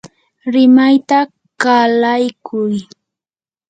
rimayta qalaykuy.